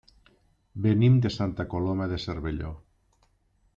Venim de Santa Coloma de Cervelló.